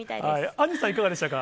アンジュさん、いかがでした？